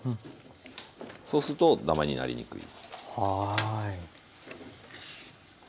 そうするとダマになりにくい。